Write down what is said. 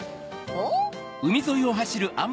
おっ？